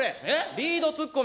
リードツッコミ？